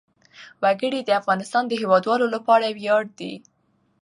وګړي د افغانستان د هیوادوالو لپاره ویاړ دی.